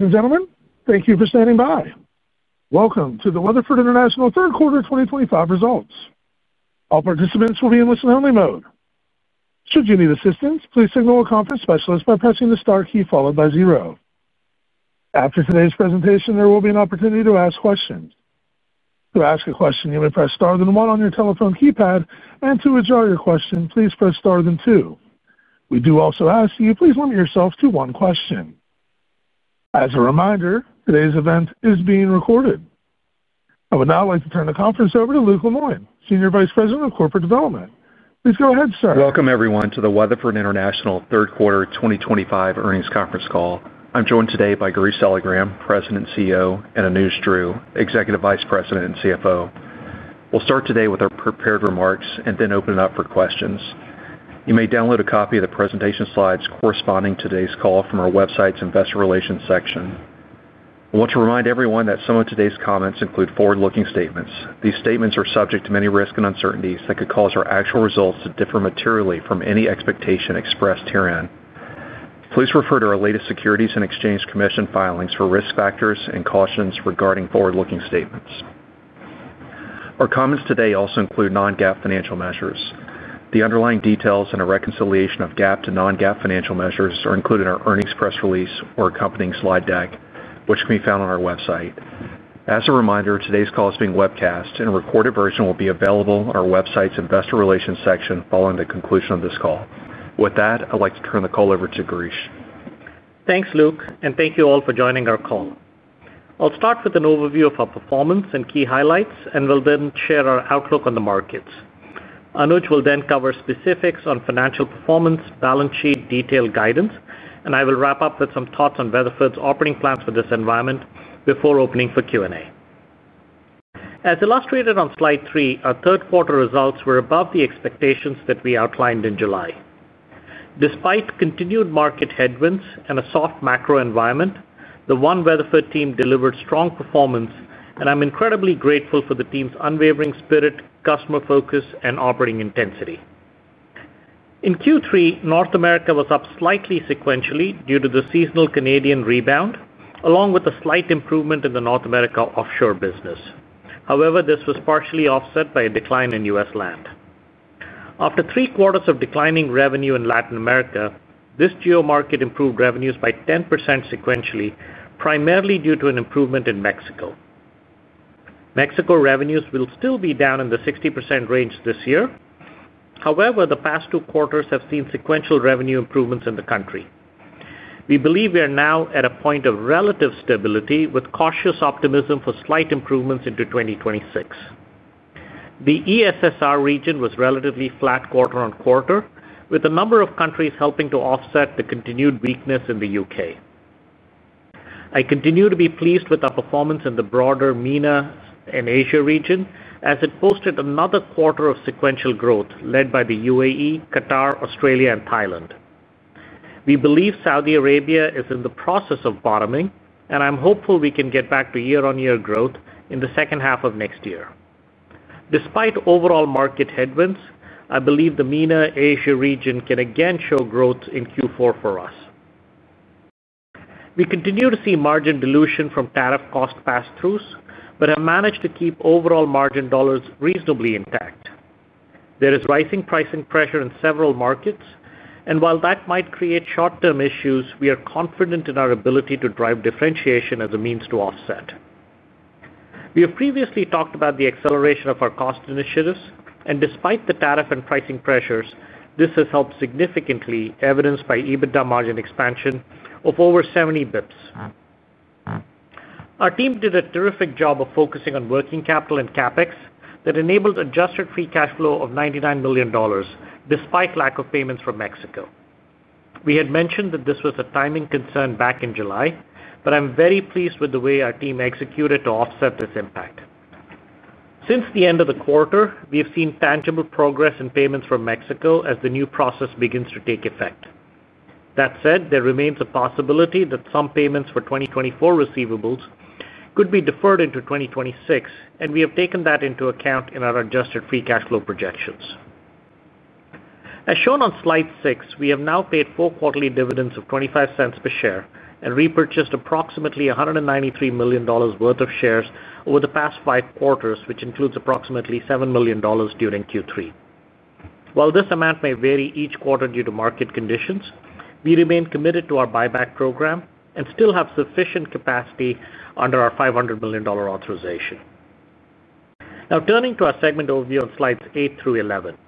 Gentlemen, thank you for standing by. Welcome to the Weatherford International Third Quarter 2025 results. All participants will be in listen-only mode. Should you need assistance, please signal a conference specialist by pressing the star key followed by zero. After today's presentation, there will be an opportunity to ask questions. To ask a question, you may press star then one on your telephone keypad, and to withdraw your question, please press star then two. We do also ask that you please limit yourself to one question. As a reminder, today's event is being recorded. I would now like to turn the conference over to Luke Lemoine, Senior Vice President of Corporate Development. Please go ahead, sir. Welcome, everyone, to the Weatherford International Third Quarter 2025 earnings conference call. I'm joined today by Girish Saligram, President and CEO, and Anuj Dhruv, Executive Vice President and CFO. We'll start today with our prepared remarks and then open it up for questions. You may download a copy of the presentation slides corresponding to today's call from our website's Investor Relations section. I want to remind everyone that some of today's comments include forward-looking statements. These statements are subject to many risks and uncertainties that could cause our actual results to differ materially from any expectation expressed herein. Please refer to our latest Securities and Exchange Commission filings for risk factors and cautions regarding forward-looking statements. Our comments today also include non-GAAP financial measures. The underlying details and a reconciliation of GAAP to non-GAAP financial measures are included in our earnings press release or accompanying slide deck, which can be found on our website. As a reminder, today's call is being webcast, and a recorded version will be available on our website's Investor Relations section following the conclusion of this call. With that, I'd like to turn the call over to Girish. Thanks, Luke, and thank you all for joining our call. I'll start with an overview of our performance and key highlights, and we'll then share our outlook on the markets. Anuj will then cover specifics on financial performance, balance sheet detail guidance, and I will wrap up with some thoughts on Weatherford's operating plans for this environment before opening for Q&A. As illustrated on slide three, our third quarter results were above the expectations that we outlined in July. Despite continued market headwinds and a soft macro environment, the One Weatherford team delivered strong performance, and I'm incredibly grateful for the team's unwavering spirit, customer focus, and operating intensity. In Q3, North America was up slightly sequentially due to the seasonal Canadian rebound, along with a slight improvement in the North America offshore business. However, this was partially offset by a decline in U.S. land. After three quarters of declining revenue in Latin America, this geomarket improved revenues by 10% sequentially, primarily due to an improvement in Mexico. Mexico revenues will still be down in the 60% range this year. However, the past two quarters have seen sequential revenue improvements in the country. We believe we are now at a point of relative stability with cautious optimism for slight improvements into 2026. The ESSR region was relatively flat quarter on quarter, with a number of countries helping to offset the continued weakness in the UK. I continue to be pleased with our performance in the broader MENA and Asia region, as it posted another quarter of sequential growth led by the UAE, Qatar, Australia, and Thailand. We believe Saudi Arabia is in the process of bottoming, and I'm hopeful we can get back to year-on-year growth in the second half of next year. Despite overall market headwinds, I believe the MENA-Asia region can again show growth in Q4 for us. We continue to see margin dilution from tariff cost pass-throughs, but have managed to keep overall margin dollars reasonably intact. There is rising pricing pressure in several markets, and while that might create short-term issues, we are confident in our ability to drive differentiation as a means to offset. We have previously talked about the acceleration of our cost initiatives, and despite the tariff and pricing pressures, this has helped significantly, evidenced by EBITDA margin expansion of over 70 bps. Our team did a terrific job of focusing on working capital and CapEx that enabled adjusted free cash flow of $99 million, despite lack of payments from Mexico. We had mentioned that this was a timing concern back in July, but I'm very pleased with the way our team executed to offset this impact. Since the end of the quarter, we have seen tangible progress in payments from Mexico as the new process begins to take effect. That said, there remains a possibility that some payments for 2024 receivables could be deferred into 2026, and we have taken that into account in our adjusted free cash flow projections. As shown on slide six, we have now paid four quarterly dividends of $0.25 per share and repurchased approximately $193 million worth of shares over the past five quarters, which includes approximately $7 million during Q3. While this amount may vary each quarter due to market conditions, we remain committed to our buyback program and still have sufficient capacity under our $500 million authorization. Now, turning to our segment overview on slides eight through 11,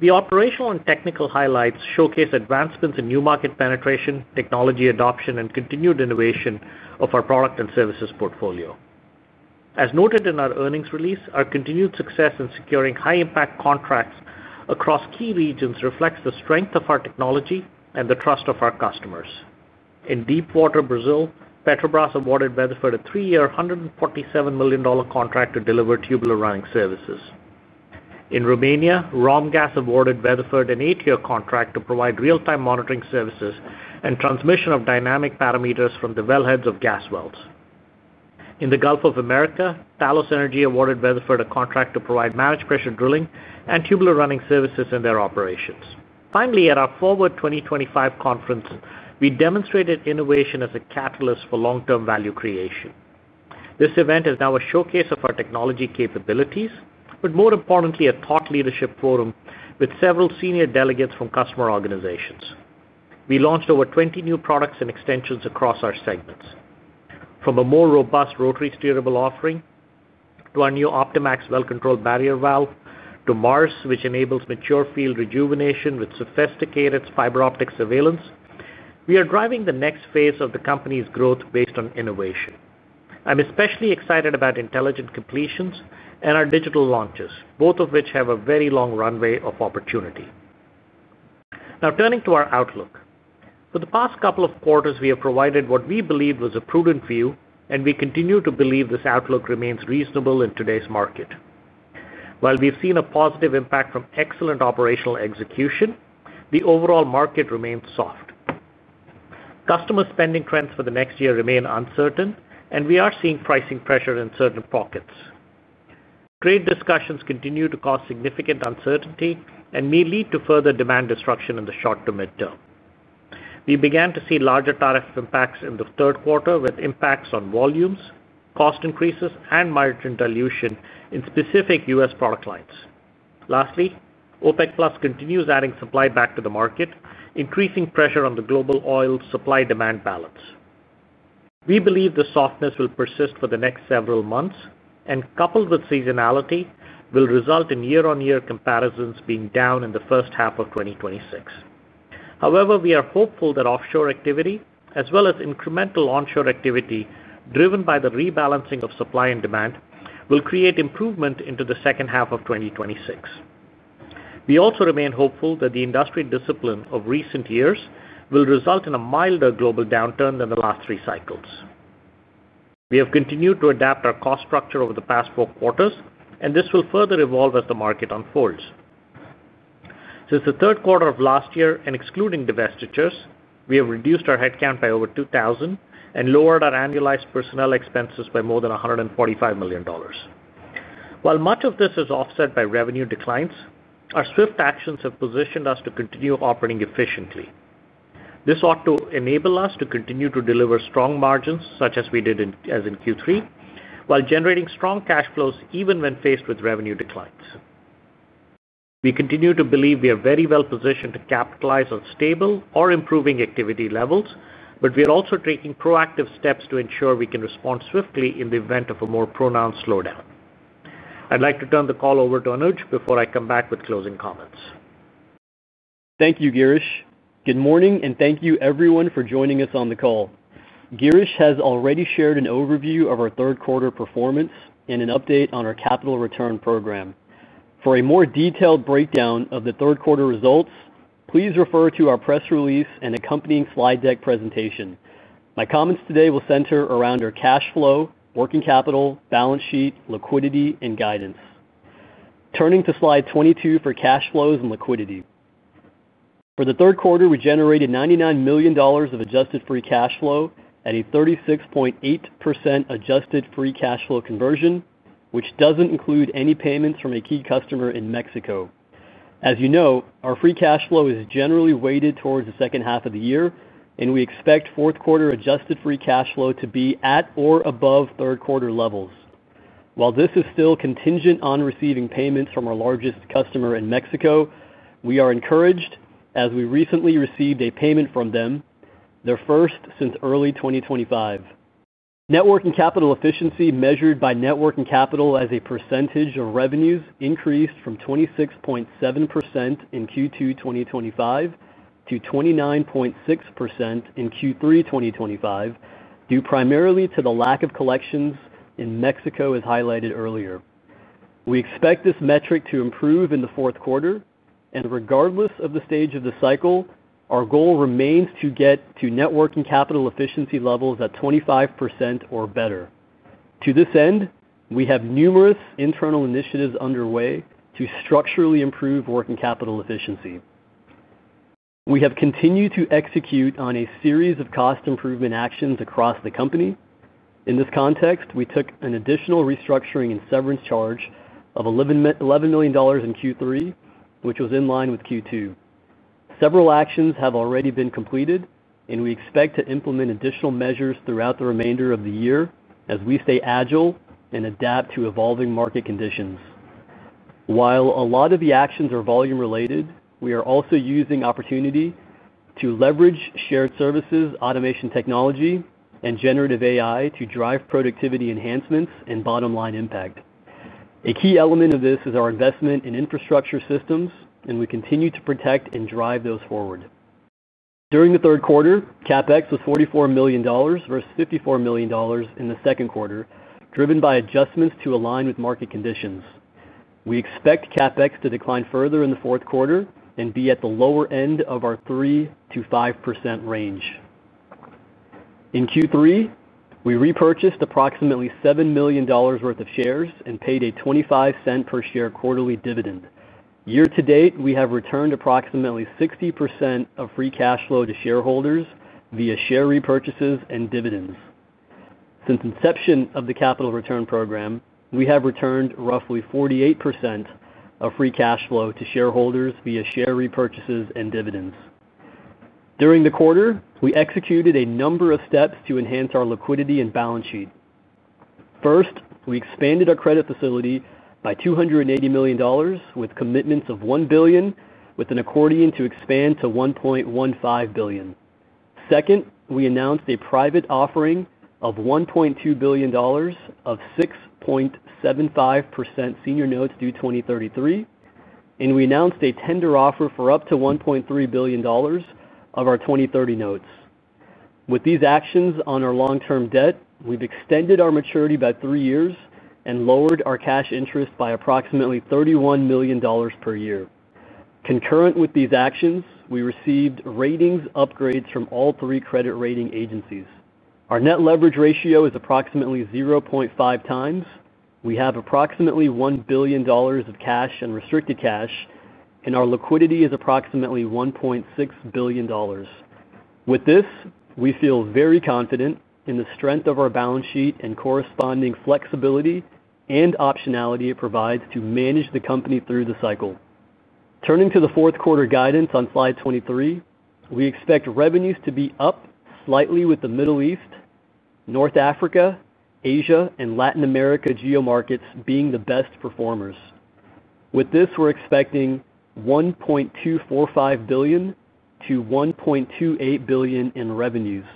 the operational and technical highlights showcase advancements in new market penetration, technology adoption, and continued innovation of our product and services portfolio. As noted in our earnings release, our continued success in securing high-impact contracts across key regions reflects the strength of our technology and the trust of our customers. In deep water Brazil, Petrobras awarded Weatherford a three-year, $147 million contract to deliver tubular running services. In Romania, Romgaz awarded Weatherford an eight-year contract to provide real-time monitoring services and transmission of dynamic parameters from the wellheads of gas wells. In the Gulf of Mexico, Talos Energy awarded Weatherford a contract to provide managed pressure drilling and tubular running services in their operations. Finally, at our Forward 2025 Conference, we demonstrated innovation as a catalyst for long-term value creation. This event is now a showcase of our technology capabilities, but more importantly, a thought leadership forum with several senior delegates from customer organizations. We launched over 20 new products and extensions across our segments. From a more robust rotary steerable offering to our new Optimax well-controlled barrier valve to MARS, which enables mature field rejuvenation with sophisticated fiber optic surveillance, we are driving the next phase of the company's growth based on innovation. I'm especially excited about intelligent completions and our digital launches, both of which have a very long runway of opportunity. Now, turning to our outlook. For the past couple of quarters, we have provided what we believed was a prudent view, and we continue to believe this outlook remains reasonable in today's market. While we've seen a positive impact from excellent operational execution, the overall market remains soft. Customer spending trends for the next year remain uncertain, and we are seeing pricing pressure in certain pockets. Trade discussions continue to cause significant uncertainty and may lead to further demand destruction in the short to mid-term. We began to see larger tariff impacts in the third quarter, with impacts on volumes, cost increases, and margin dilution in specific U.S. product lines. Lastly, OPEC+ continues adding supply back to the market, increasing pressure on the global oil supply-demand balance. We believe the softness will persist for the next several months, and coupled with seasonality, will result in year-on-year comparisons being down in the first half of 2026. However, we are hopeful that offshore activity, as well as incremental onshore activity driven by the rebalancing of supply and demand, will create improvement into the second half of 2026. We also remain hopeful that the industry discipline of recent years will result in a milder global downturn than the last three cycles. We have continued to adapt our cost structure over the past four quarters, and this will further evolve as the market unfolds. Since the third quarter of last year, and excluding divestitures, we have reduced our headcount by over 2,000 and lowered our annualized personnel expenses by more than $145 million. While much of this is offset by revenue declines, our swift actions have positioned us to continue operating efficiently. This ought to enable us to continue to deliver strong margins, such as we did in Q3, while generating strong cash flows even when faced with revenue declines. We continue to believe we are very well positioned to capitalize on stable or improving activity levels, and we are also taking proactive steps to ensure we can respond swiftly in the event of a more pronounced slowdown. I'd like to turn the call over to Anuj before I come back with closing comments. Thank you, Girish. Good morning, and thank you, everyone, for joining us on the call. Girish has already shared an overview of our third quarter performance and an update on our capital return program. For a more detailed breakdown of the third quarter results, please refer to our press release and accompanying slide deck presentation. My comments today will center around our cash flow, working capital, balance sheet, liquidity, and guidance. Turning to slide 22 for cash flows and liquidity. For the third quarter, we generated $99 million of adjusted free cash flow at a 36.8% adjusted free cash flow conversion, which does not include any payments from a key customer in Mexico. As you know, our free cash flow is generally weighted towards the second half of the year, and we expect fourth quarter adjusted free cash flow to be at or above third quarter levels. While this is still contingent on receiving payments from our largest customer in Mexico, we are encouraged, as we recently received a payment from them, their first since early 2025. Net working capital efficiency measured by net working capital as a percentage of revenues increased from 26.7% in Q2 2025 to 29.6% in Q3 2025, due primarily to the lack of collections in Mexico as highlighted earlier. We expect this metric to improve in the fourth quarter, and regardless of the stage of the cycle, our goal remains to get to net working capital efficiency levels at 25% or better. To this end, we have numerous internal initiatives underway to structurally improve working capital efficiency. We have continued to execute on a series of cost improvement actions across the company. In this context, we took an additional restructuring and severance charge of $11 million in Q3, which was in line with Q2. Several actions have already been completed, and we expect to implement additional measures throughout the remainder of the year as we stay agile and adapt to evolving market conditions. While a lot of the actions are volume-related, we are also using the opportunity to leverage shared services, automation technology, and generative AI to drive productivity enhancements and bottom-line impact. A key element of this is our investment in infrastructure systems, and we continue to protect and drive those forward. During the third quarter, CapEx was $44 million versus $54 million in the second quarter, driven by adjustments to align with market conditions. We expect CapEx to decline further in the fourth quarter and be at the lower end of our 3% to 5% range. In Q3, we repurchased approximately $7 million worth of shares and paid a $0.25 per share quarterly dividend. Year to date, we have returned approximately 60% of free cash flow to shareholders via share repurchases and dividends. Since inception of the capital return program, we have returned roughly 48% of free cash flow to shareholders via share repurchases and dividends. During the quarter, we executed a number of steps to enhance our liquidity and balance sheet. First, we expanded our credit facility by $280 million, with commitments of $1 billion, with an accordion to expand to $1.15 billion. Second, we announced a private offering of $1.2 billion of 6.75% senior notes due 2033, and we announced a tender offer for up to $1.3 billion of our 2030 notes. With these actions on our long-term debt, we've extended our maturity by three years and lowered our cash interest by approximately $31 million per year. Concurrent with these actions, we received ratings upgrades from all three credit rating agencies. Our net leverage ratio is approximately 0.5 times. We have approximately $1 billion of cash and restricted cash, and our liquidity is approximately $1.6 billion. With this, we feel very confident in the strength of our balance sheet and the corresponding flexibility and optionality it provides to manage the company through the cycle. Turning to the fourth quarter guidance on slide 23, we expect revenues to be up slightly with the Middle East, North Africa, Asia, and Latin America geomarkets being the best performers. With this, we're expecting $1.245 billion to $1.28 billion in revenues.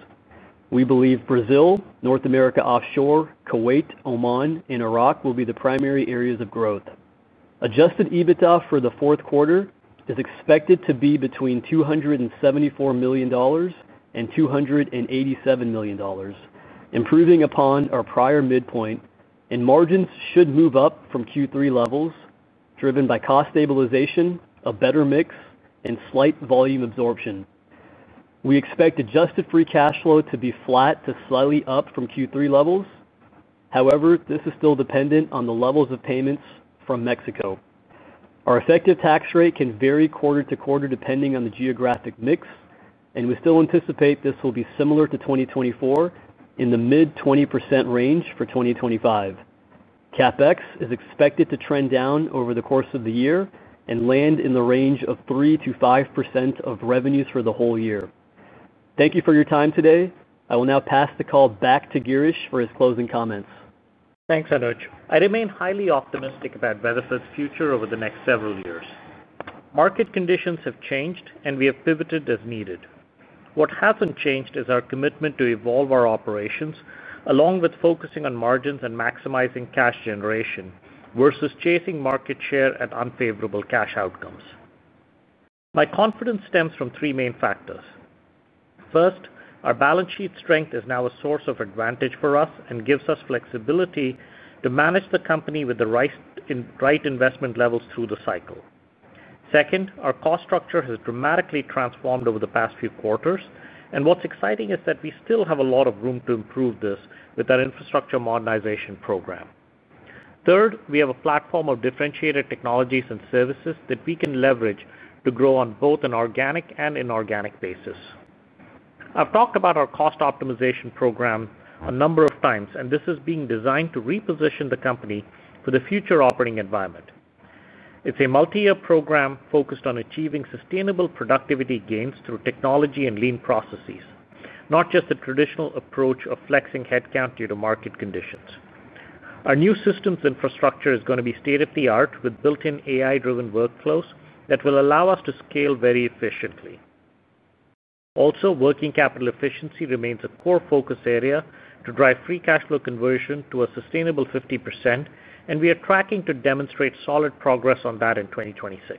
We believe Brazil, North America offshore, Kuwait, Oman, and Iraq will be the primary areas of growth. Adjusted EBITDA for the fourth quarter is expected to be between $274 million and $287 million, improving upon our prior midpoint, and margins should move up from Q3 levels, driven by cost stabilization, a better mix, and slight volume absorption. We expect adjusted free cash flow to be flat to slightly up from Q3 levels. However, this is still dependent on the levels of payments from Mexico. Our effective tax rate can vary quarter to quarter depending on the geographic mix, and we still anticipate this will be similar to 2024, in the mid-20% range for 2025. CapEx is expected to trend down over the course of the year and land in the range of 3% to 5% of revenues for the whole year. Thank you for your time today. I will now pass the call back to Girish for his closing comments. Thanks, Anuj. I remain highly optimistic about Weatherford's future over the next several years. Market conditions have changed, and we have pivoted as needed. What hasn't changed is our commitment to evolve our operations, along with focusing on margins and maximizing cash generation versus chasing market share at unfavorable cash outcomes. My confidence stems from three main factors. First, our balance sheet strength is now a source of advantage for us and gives us flexibility to manage the company with the right investment levels through the cycle. Second, our cost structure has dramatically transformed over the past few quarters, and what's exciting is that we still have a lot of room to improve this with our infrastructure modernization program. Third, we have a platform of differentiated technologies and services that we can leverage to grow on both an organic and inorganic basis. I've talked about our cost optimization program a number of times, and this is being designed to reposition the company for the future operating environment. It's a multi-year program focused on achieving sustainable productivity gains through technology and lean processes, not just the traditional approach of flexing headcount due to market conditions. Our new systems infrastructure is going to be state-of-the-art with built-in AI-driven workflows that will allow us to scale very efficiently. Also, working capital efficiency remains a core focus area to drive free cash flow conversion to a sustainable 50%, and we are tracking to demonstrate solid progress on that in 2026.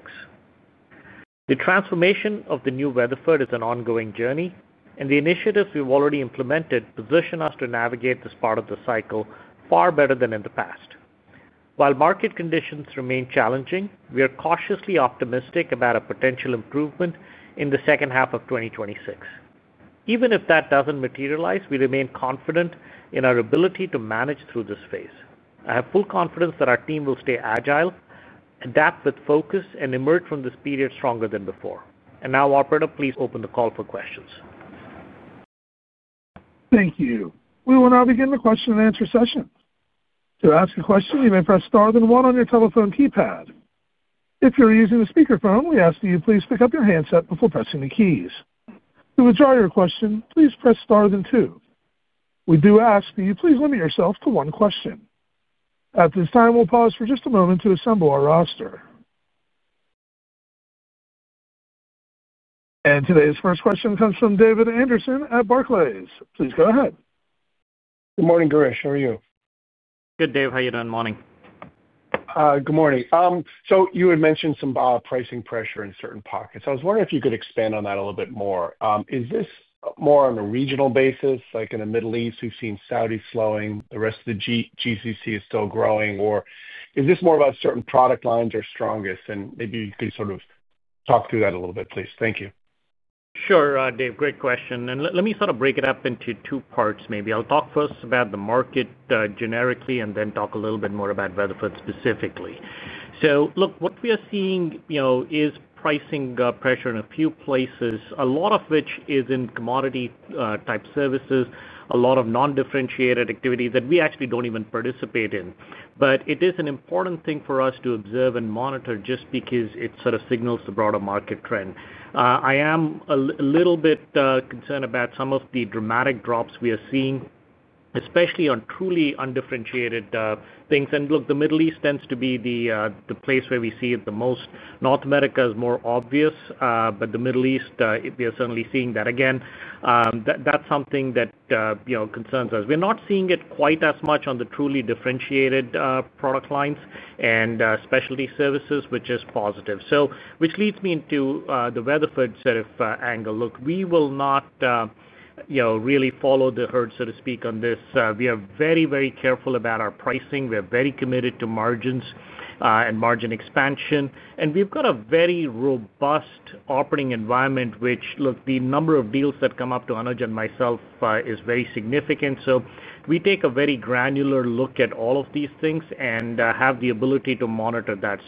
The transformation of the new Weatherford is an ongoing journey, and the initiatives we've already implemented position us to navigate this part of the cycle far better than in the past. While market conditions remain challenging, we are cautiously optimistic about a potential improvement in the second half of 2026. Even if that doesn't materialize, we remain confident in our ability to manage through this phase. I have full confidence that our team will stay agile, adapt with focus, and emerge from this period stronger than before. Operator, please open the call for questions. Thank you. We will now begin the question and answer session. To ask a question, you may press star then one on your telephone keypad. If you're using a speaker phone, we ask that you please pick up your handset before pressing the keys. To withdraw your question, please press star then two. We do ask that you please limit yourself to one question. At this time, we'll pause for just a moment to assemble our roster. Today's first question comes from David Anderson at Barclays. Please go ahead. Good morning, Girish. How are you? Good, Dave. How are you doing? Morning. Good morning. You had mentioned some pricing pressure in certain pockets. I was wondering if you could expand on that a little bit more. Is this more on a regional basis, like in the Middle East, we've seen Saudi slowing, the rest of the GCC is still growing, or is this more about certain product lines are strongest? Maybe you could sort of talk through that a little bit, please. Thank you. Sure, Dave. Great question. Let me sort of break it up into two parts maybe. I'll talk first about the market generically and then talk a little bit more about Weatherford specifically. Look, what we are seeing is pricing pressure in a few places, a lot of which is in commodity type services, a lot of non-differentiated activity that we actually don't even participate in. It is an important thing for us to observe and monitor just because it sort of signals the broader market trend. I am a little bit concerned about some of the dramatic drops we are seeing, especially on truly undifferentiated things. The Middle East tends to be the place where we see it the most. North America is more obvious, but the Middle East, we are certainly seeing that again. That's something that concerns us. We're not seeing it quite as much on the truly differentiated product lines and specialty services, which is positive. This leads me into the Weatherford's sort of angle. We will not really follow the herd, so to speak, on this. We are very, very careful about our pricing. We're very committed to margins and margin expansion. We've got a very robust operating environment, which, the number of deals that come up to Anuj and myself is very significant. We take a very granular look at all of these things and have the ability to monitor that.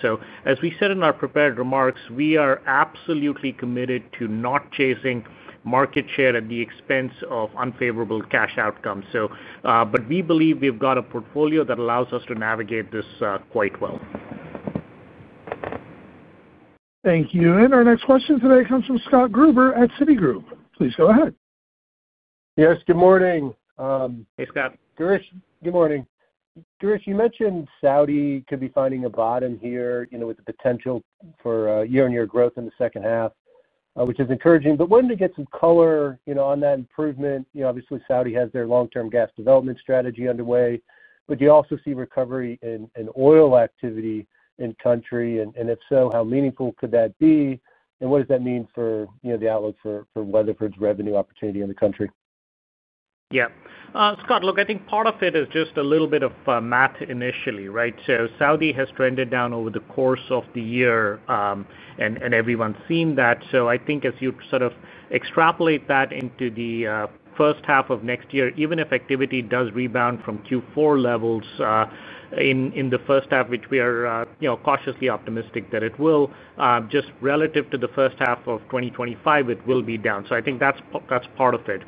As we said in our prepared remarks, we are absolutely committed to not chasing market share at the expense of unfavorable cash outcomes. We believe we've got a portfolio that allows us to navigate this quite well. Thank you. Our next question today comes from Scott Gruber at Citigroup. Please go ahead. Yes, good morning. Hey, Scott. Girish, good morning. Girish, you mentioned Saudi could be finding a bottom here with the potential for year-on-year growth in the second half, which is encouraging. Wouldn't it get some color on that improvement? Obviously, Saudi has their long-term gas development strategy underway. Do you also see recovery in oil activity in the country? If so, how meaningful could that be? What does that mean for the outlook for Weatherford's revenue opportunity in the country? Yeah. Scott, look, I think part of it is just a little bit of math initially, right? Saudi has trended down over the course of the year, and everyone's seen that. I think as you sort of extrapolate that into the first half of next year, even if activity does rebound from Q4 levels in the first half, which we are, you know, cautiously optimistic that it will, just relative to the first half of 2025, it will be down. I think that's part of it.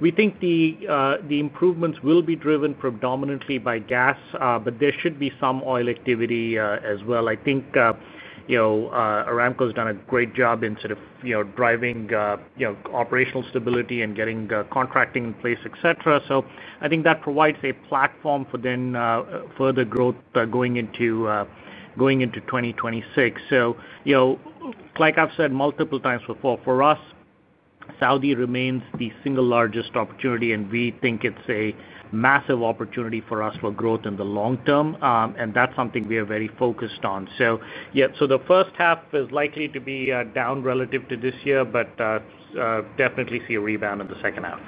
We think the improvements will be driven predominantly by gas, but there should be some oil activity as well. I think Aramco has done a great job in sort of driving operational stability and getting contracting in place, etc. I think that provides a platform for further growth going into 2026. Like I've said multiple times before, for us, Saudi remains the single largest opportunity, and we think it's a massive opportunity for us for growth in the long term. That's something we are very focused on. The first half is likely to be down relative to this year, but definitely see a rebound in the second half.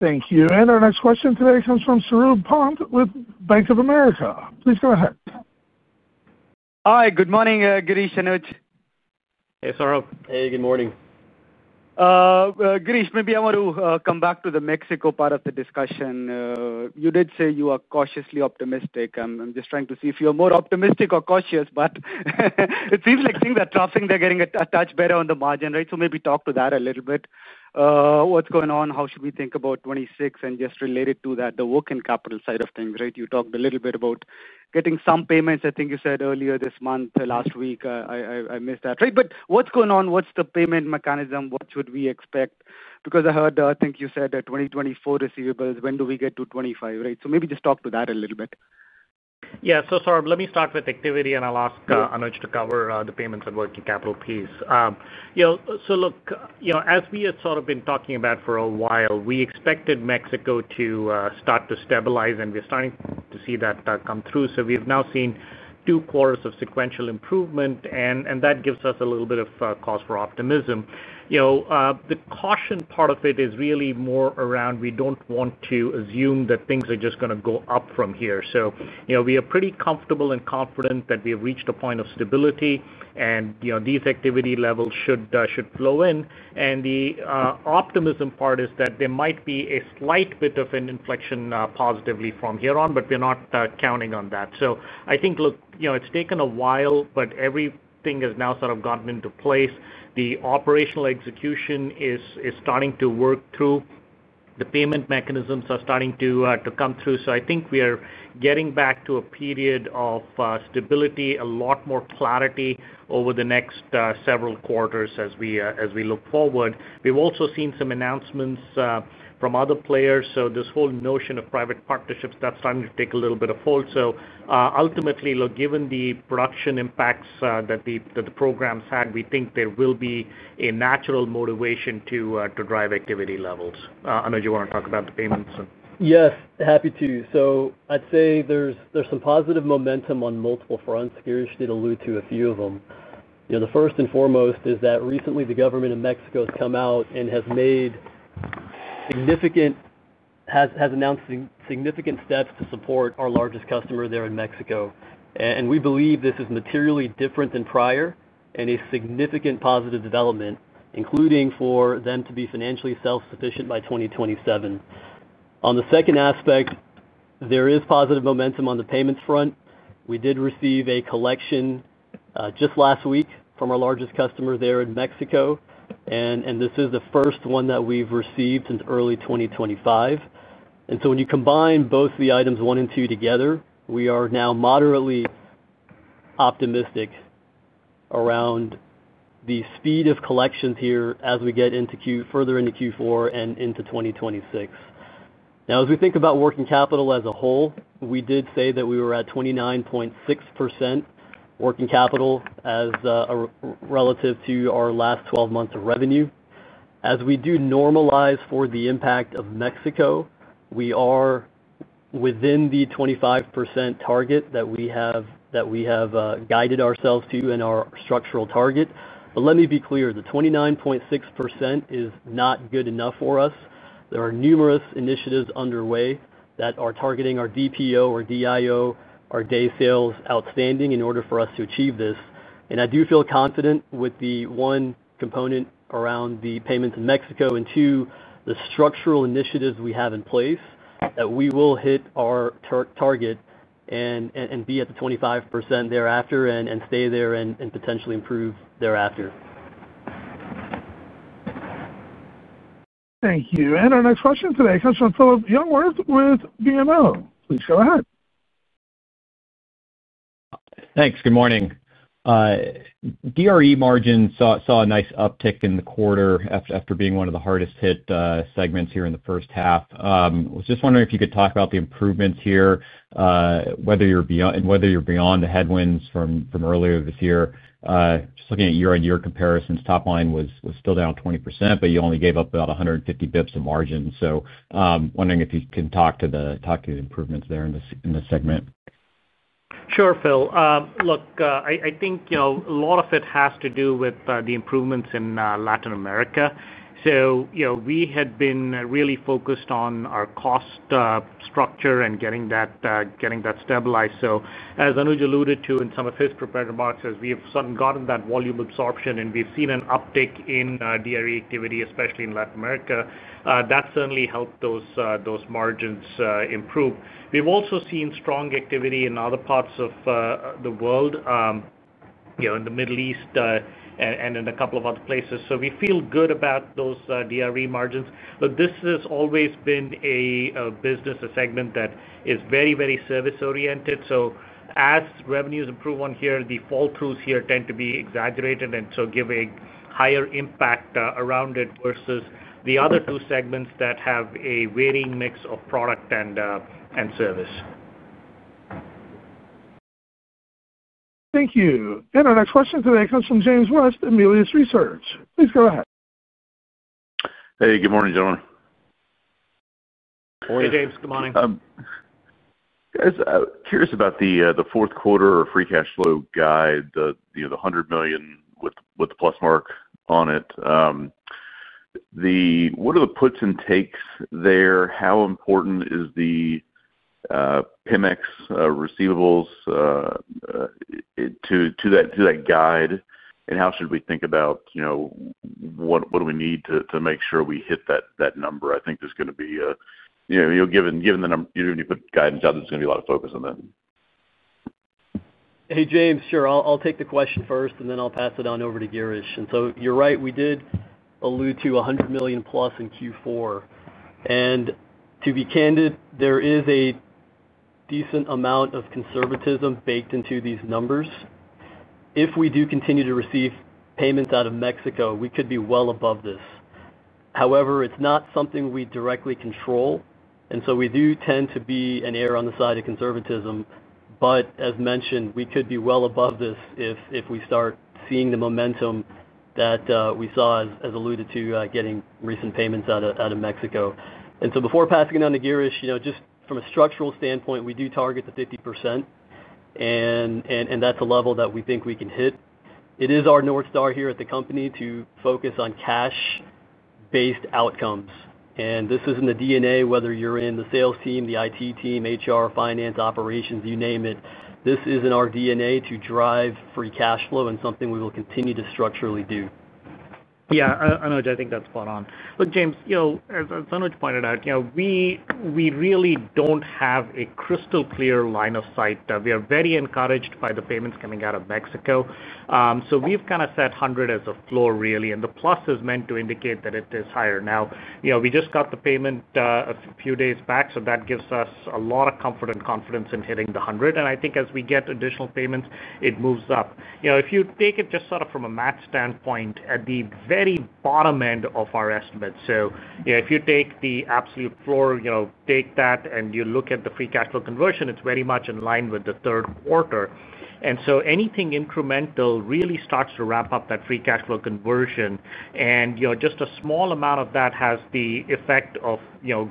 Thank you. Our next question today comes from Saurabh Pant with Bank of America. Please go ahead. Hi, good morning, Girish, Anuj. Hey, Sarub. Hey, good morning. Girish, maybe I want to come back to the Mexico part of the discussion. You did say you are cautiously optimistic. I'm just trying to see if you're more optimistic or cautious, but it seems like things are troughing. They're getting a touch better on the margin, right? Maybe talk to that a little bit. What's going on? How should we think about 2026 and just related to that, the working capital side of things, right? You talked a little bit about getting some payments. I think you said earlier this month, last week, I missed that, right? What's going on? What's the payment mechanism? What should we expect? I heard, I think you said 2024 receivables. When do we get to 2025, right? Maybe just talk to that a little bit. Yeah. Sarub, let me start with activity, and I'll ask Anuj to cover the payments and working capital piece. As we had sort of been talking about for a while, we expected Mexico to start to stabilize, and we're starting to see that come through. We've now seen two quarters of sequential improvement, and that gives us a little bit of cause for optimism. The caution part of it is really more around we don't want to assume that things are just going to go up from here. We are pretty comfortable and confident that we have reached a point of stability, and these activity levels should flow in. The optimism part is that there might be a slight bit of an inflection positively from here on, but we're not counting on that. I think it's taken a while, but everything has now sort of gotten into place. The operational execution is starting to work through. The payment mechanisms are starting to come through. I think we are getting back to a period of stability, a lot more clarity over the next several quarters as we look forward. We've also seen some announcements from other players. This whole notion of private partnerships, that's starting to take a little bit of hold. Ultimately, given the production impacts that the programs had, we think there will be a natural motivation to drive activity levels. Anuj, you want to talk about the payments? Yes, happy to. I'd say there's some positive momentum on multiple fronts. Girish did allude to a few of them. The first and foremost is that recently the government in Mexico has come out and has announced significant steps to support our largest customer there in Mexico. We believe this is materially different than prior and a significant positive development, including for them to be financially self-sufficient by 2027. On the second aspect, there is positive momentum on the payments front. We did receive a collection just last week from our largest customer there in Mexico, and this is the first one that we've received since early 2025. When you combine both the items one and two together, we are now moderately optimistic around the speed of collections here as we get further into Q4 and into 2026. As we think about working capital as a whole, we did say that we were at 29.6% working capital as relative to our last 12 months of revenue. As we do normalize for the impact of Mexico, we are within the 25% target that we have guided ourselves to in our structural target. Let me be clear, the 29.6% is not good enough for us. There are numerous initiatives underway that are targeting our DPO, our DIO, our day sales outstanding in order for us to achieve this. I do feel confident with the one component around the payments in Mexico and, two, the structural initiatives we have in place that we will hit our target and be at the 25% thereafter and stay there and potentially improve thereafter. Thank you. Our next question today comes from Philip Jungwirth with BMO. Please go ahead. Thanks. Good morning. DRE margins saw a nice uptick in the quarter after being one of the hardest-hit segments here in the first half. I was just wondering if you could talk about the improvements here, whether you're beyond the headwinds from earlier this year. Just looking at year-on-year comparisons, top line was still down 20%, but you only gave up about 150 bps of margin. I'm wondering if you can talk to the improvements there in the segment. Sure, Phil. Look, I think a lot of it has to do with the improvements in Latin America. We had been really focused on our cost structure and getting that stabilized. As Anuj alluded to in some of his prepared remarks, as we have suddenly gotten that volume absorption and we've seen an uptick in DRE activity, especially in Latin America, that certainly helped those margins improve. We've also seen strong activity in other parts of the world, in the Middle East and in a couple of other places. We feel good about those DRE margins. This has always been a business segment that is very, very service-oriented. As revenues improve on here, the fall-throughs here tend to be exaggerated and give a higher impact around it versus the other two segments that have a varying mix of product and service. Thank you. Our next question today comes from James West at Melius Research. Please go ahead. Hey, good morning, gentlemen. James. Good morning. I was curious about the fourth quarter or free cash flow guide, the $100 million with the plus mark on it. What are the puts and takes there? How important is the PMX receivables to that guide? How should we think about, you know, what do we need to make sure we hit that number? I think there's going to be, you know, given the number you put guidance out, there's going to be a lot of focus on that. Hey, James. Sure. I'll take the question first and then I'll pass it on over to Girish. You're right. We did allude to $100 million plus in Q4. To be candid, there is a decent amount of conservatism baked into these numbers. If we do continue to receive payments out of Mexico, we could be well above this. However, it's not something we directly control. We do tend to err on the side of conservatism. As mentioned, we could be well above this if we start seeing the momentum that we saw, as alluded to, getting recent payments out of Mexico. Before passing it on to Girish, just from a structural standpoint, we do target the 50%. That's a level that we think we can hit. It is our north star here at the company to focus on cash-based outcomes. This is in the DNA, whether you're in the sales team, the IT team, HR, finance, operations, you name it. This is in our DNA to drive free cash flow and something we will continue to structurally do. Yeah, Anuj, I think that's spot on. Look, James, as Anuj pointed out, we really don't have a crystal clear line of sight. We are very encouraged by the payments coming out of Mexico. We've kind of set 100 as a floor, really, and the plus is meant to indicate that it is higher now. We just got the payment a few days back. That gives us a lot of comfort and confidence in hitting the 100. I think as we get additional payments, it moves up. If you take it just sort of from a math standpoint at the very bottom end of our estimates, if you take the absolute floor, take that and you look at the free cash flow conversion, it's very much in line with the third quarter. Anything incremental really starts to wrap up that free cash flow conversion, and just a small amount of that has the effect of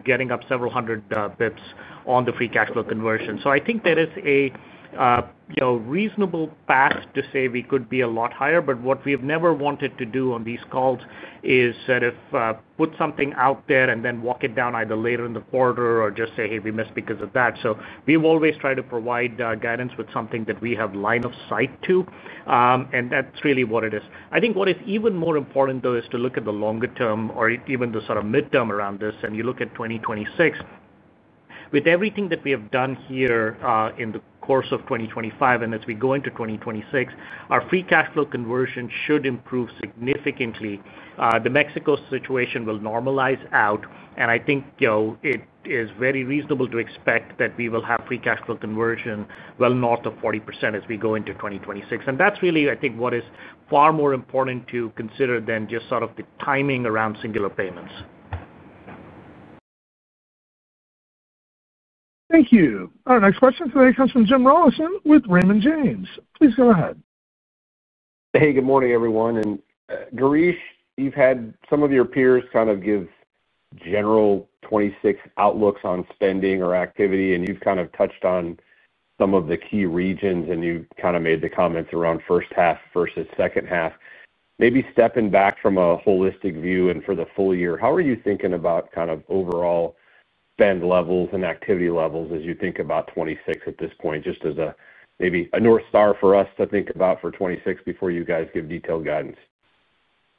getting up several hundred bps on the free cash flow conversion. I think there is a reasonable path to say we could be a lot higher. What we've never wanted to do on these calls is sort of put something out there and then walk it down either later in the quarter or just say, "Hey, we missed because of that." We've always tried to provide guidance with something that we have line of sight to, and that's really what it is. I think what is even more important, though, is to look at the longer term or even the sort of midterm around this. You look at 2026. With everything that we have done here in the course of 2025, and as we go into 2026, our free cash flow conversion should improve significantly. The Mexico situation will normalize out. I think it is very reasonable to expect that we will have free cash flow conversion well north of 40% as we go into 2026. That's really, I think, what is far more important to consider than just sort of the timing around singular payments. Thank you. Our next question today comes from James Rollyson with Raymond James. Please go ahead. Hey, good morning, everyone. Girish, you've had some of your peers kind of give general 2026 outlooks on spending or activity, and you've kind of touched on some of the key regions, and you made the comments around first half versus second half. Maybe stepping back from a holistic view and for the full year, how are you thinking about overall spend levels and activity levels as you think about 2026 at this point, just as maybe a north star for us to think about for 2026 before you guys give detailed guidance?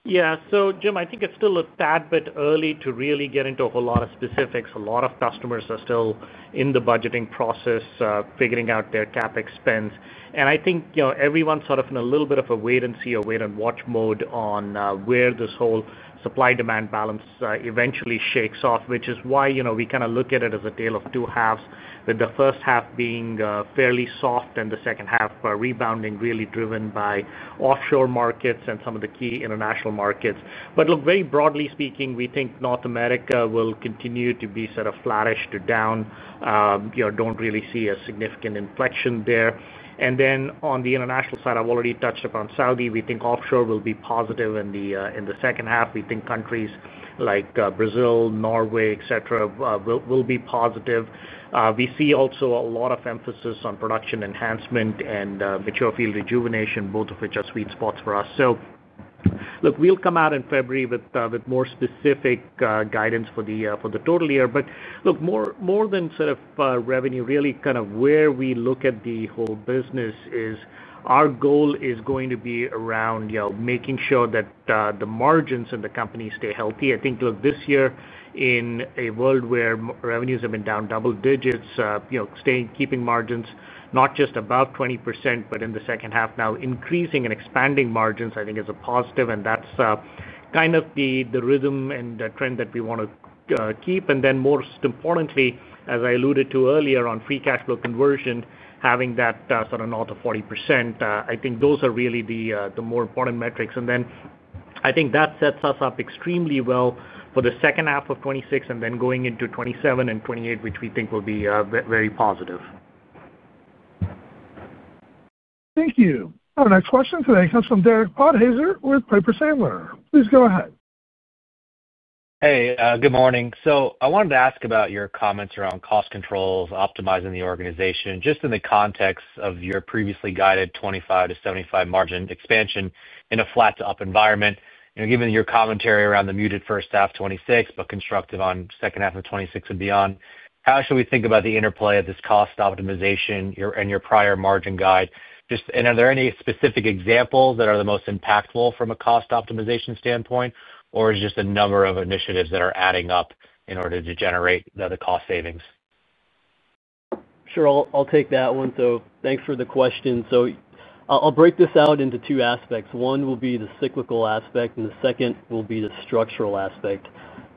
Yeah. So Jim, I think it's still a tad bit early to really get into a whole lot of specifics. A lot of customers are still in the budgeting process figuring out their CapEx spend. I think everyone's sort of in a little bit of a wait-and-see or wait-and-watch mode on where this whole supply-demand balance eventually shakes off, which is why we kind of look at it as a tale of two halves, with the first half being fairly soft and the second half rebounding, really driven by offshore markets and some of the key international markets. Very broadly speaking, we think North America will continue to be sort of flourish to down. We don't really see a significant inflection there. On the international side, I've already touched upon Saudi. We think offshore will be positive in the second half. We think countries like Brazil, Norway, etc., will be positive. We see also a lot of emphasis on production enhancement and mature field rejuvenation, both of which are sweet spots for us. We'll come out in February with more specific guidance for the total year. More than sort of revenue, really kind of where we look at the whole business is our goal is going to be around making sure that the margins in the company stay healthy. I think this year in a world where revenues have been down double digits, keeping margins not just above 20%, but in the second half now increasing and expanding margins, I think is a positive. That's kind of the rhythm and trend that we want to keep. Most importantly, as I alluded to earlier on free cash flow conversion, having that sort of north of 40%, I think those are really the more important metrics. I think that sets us up extremely well for the second half of 2026 and then going into 2027 and 2028, which we think will be very positive. Thank you. Our next question today comes from Derek Podhaizer with Piper Sandler. Please go ahead. Good morning. I wanted to ask about your comments around cost controls, optimizing the organization, just in the context of your previously guided 25% to 75% margin expansion in a flat-to-up environment. Given your commentary around the muted first half of 2026, but constructive on the second half of 2026 and beyond, how should we think about the interplay of this cost optimization and your prior margin guide? Are there any specific examples that are the most impactful from a cost optimization standpoint, or is it just a number of initiatives that are adding up in order to generate the cost savings? Sure, I'll take that one. Thanks for the question. I'll break this out into two aspects. One will be the cyclical aspect, and the second will be the structural aspect.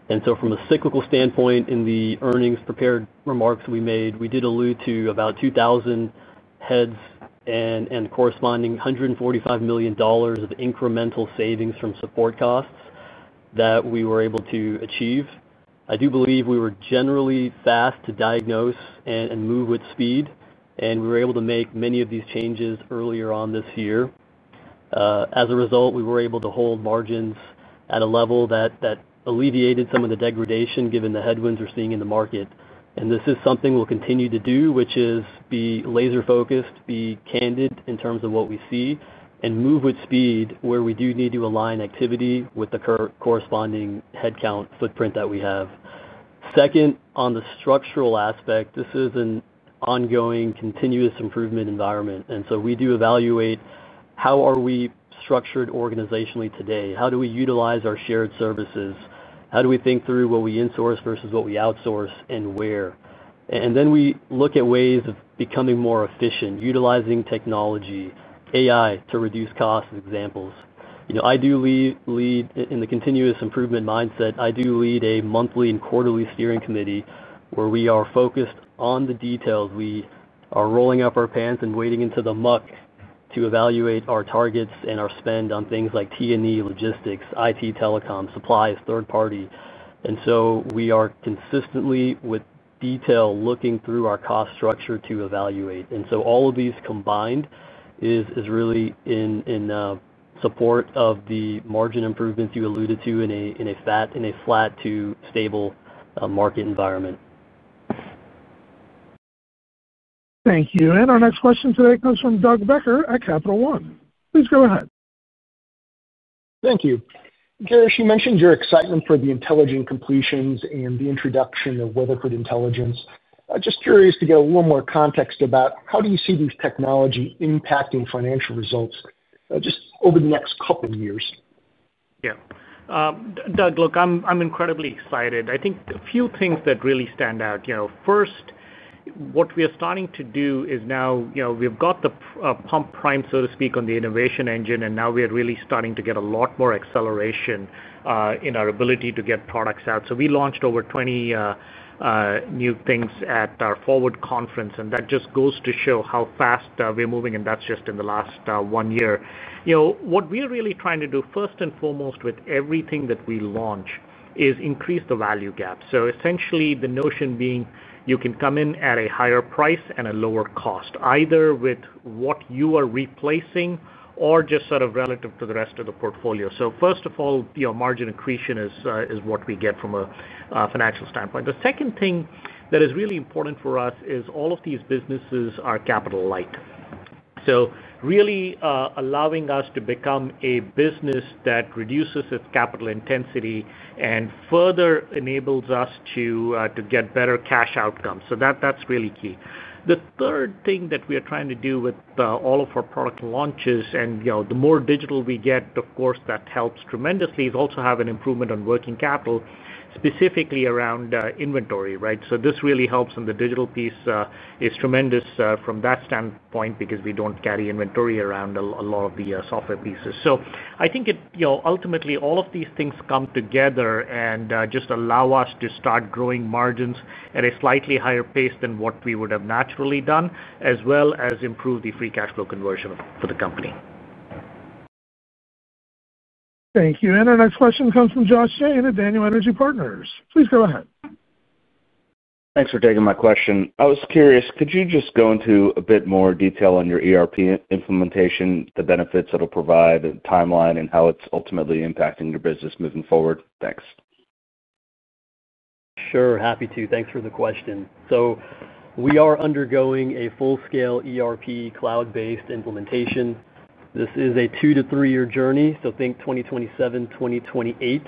From a cyclical standpoint, in the earnings prepared remarks we made, we did allude to about 2,000 heads and corresponding $145 million of incremental savings from support costs that we were able to achieve. I do believe we were generally fast to diagnose and move with speed, and we were able to make many of these changes earlier on this year. As a result, we were able to hold margins at a level that alleviated some of the degradation given the headwinds we're seeing in the market. This is something we'll continue to do, which is be laser-focused, be candid in terms of what we see, and move with speed where we do need to align activity with the corresponding headcount footprint that we have. On the structural aspect, this is an ongoing continuous improvement environment. We do evaluate how are we structured organizationally today, how do we utilize our shared services, how do we think through what we insource versus what we outsource and where. Then we look at ways of becoming more efficient, utilizing technology, AI to reduce costs, as examples. I do lead in the continuous improvement mindset. I do lead a monthly and quarterly steering committee where we are focused on the details. We are rolling up our pants and wading into the muck to evaluate our targets and our spend on things like T&E, logistics, IT, telecom, supplies, third party. We are consistently with detail looking through our cost structure to evaluate. All of these combined is really in support of the margin improvements you alluded to in a flat to stable market environment. Thank you. Our next question today comes from Doug Becker at Capital One. Please go ahead. Thank you. Girish, you mentioned your excitement for the intelligent completions and the introduction of Weatherford Intelligence. Just curious to get a little more context about how you see these technologies impacting financial results just over the next couple of years? Yeah. Doug, look, I'm incredibly excited. I think a few things that really stand out. First, what we are starting to do is now, we've got the pump prime, so to speak, on the innovation engine, and now we are really starting to get a lot more acceleration in our ability to get products out. We launched over 20 new things at our Forward Conference, and that just goes to show how fast we're moving, and that's just in the last one year. What we are really trying to do, first and foremost, with everything that we launch is increase the value gap. Essentially, the notion being you can come in at a higher price and a lower cost, either with what you are replacing or just sort of relative to the rest of the portfolio. First of all, margin accretion is what we get from a financial standpoint. The second thing that is really important for us is all of these businesses are capital-light, so really allowing us to become a business that reduces its capital intensity and further enables us to get better cash outcomes. That's really key. The third thing that we are trying to do with all of our product launches, and the more digital we get, of course, that helps tremendously, is also have an improvement on working capital, specifically around inventory, right? This really helps, and the digital piece is tremendous from that standpoint because we don't carry inventory around a lot of the software pieces. I think ultimately, all of these things come together and just allow us to start growing margins at a slightly higher pace than what we would have naturally done, as well as improve the free cash flow conversion for the company. Thank you. Our next question comes from Josh Jayne at Daniel Energy Partners. Please go ahead. Thanks for taking my question. I was curious, could you just go into a bit more detail on your ERP implementation, the benefits it'll provide, the timeline, and how it's ultimately impacting your business moving forward? Thanks. Sure, happy to. Thanks for the question. We are undergoing a full-scale ERP cloud-based implementation. This is a two to three-year journey, so think 2027, 2028.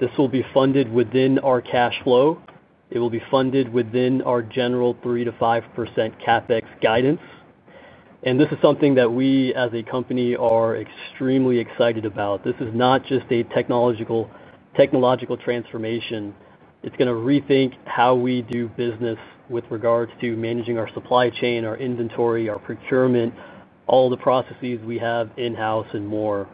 This will be funded within our cash flow. It will be funded within our general 3% to 5% CapEx guidance. This is something that we, as a company, are extremely excited about. This is not just a technological transformation. It's going to rethink how we do business with regards to managing our supply chain, our inventory, our procurement, all the processes we have in-house, and more.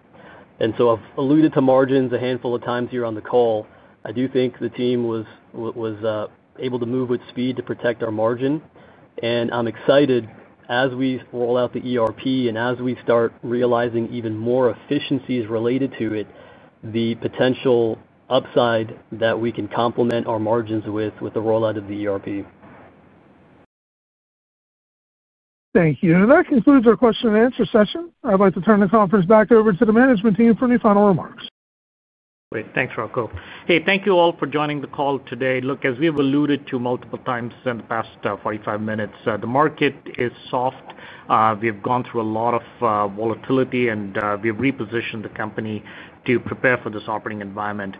I've alluded to margins a handful of times here on the call. I do think the team was able to move with speed to protect our margin. I'm excited as we roll out the ERP and as we start realizing even more efficiencies related to it, the potential upside that we can complement our margins with, with the rollout of the ERP. Thank you. That concludes our question and answer session. I'd like to turn the conference back over to the management team for any final remarks. Great. Thanks, Rocco. Thank you all for joining the call today. As we've alluded to multiple times in the past 45 minutes, the market is soft. We've gone through a lot of volatility, and we have repositioned the company to prepare for this operating environment.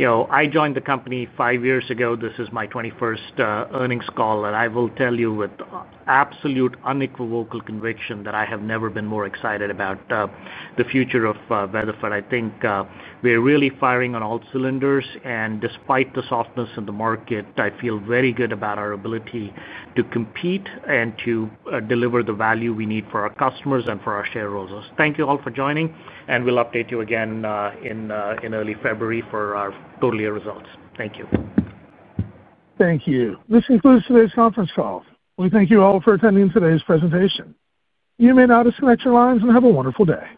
I joined the company five years ago. This is my 21st earnings call, and I will tell you with absolute unequivocal conviction that I have never been more excited about the future of Weatherford. I think we're really firing on all cylinders, and despite the softness in the market, I feel very good about our ability to compete and to deliver the value we need for our customers and for our shareholders. Thank you all for joining, and we'll update you again in early February for our full year results. Thank you. Thank you. This concludes today's conference call. We thank you all for attending today's presentation. You may now disconnect your lines and have a wonderful day.